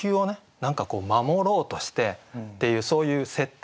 何か守ろうとしてっていうそういう設定。